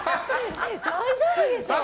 大丈夫でしょう。